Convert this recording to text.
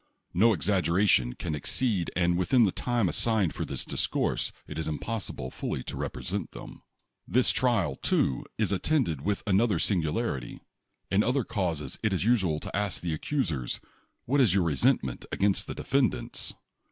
No exaggeration can ex ceed, and within the time assigned for this dis course it is impossible fully to represent them. This trial, too, is attended with another singular ity. In other causes it is usual to ask the accus ers: "What is your resentment against the de fendants